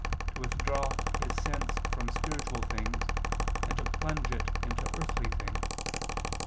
to withdraw his sense from spiritual things and to plunge it into earthly things.